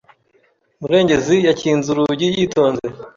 Murengezi yakinze urugi yitonze.